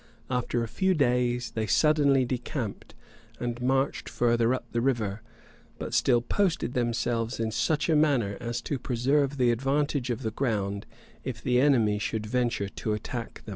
After a few days, they suddenly decamped, and marched farther up the river; but still posted themselves in such a manner as to preserve the advantage of the ground if the enemy should venture to attack them.